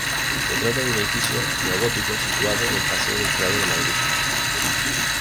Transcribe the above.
Se trata de un edificio neogótico situado en el Paseo del Prado de Madrid.